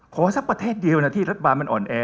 สักประเทศเดียวนะที่รัฐบาลมันอ่อนแอ